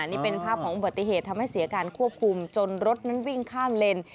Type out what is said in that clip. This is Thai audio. นี่เป็นภาพของอุบัติเหตุทำให้เสียการควบคุมจนรถนั้นวิ่งข้ามเลน